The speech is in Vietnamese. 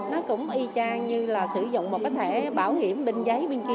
nó cũng y chang như là sử dụng một cái thẻ bảo hiểm đinh giấy bên kia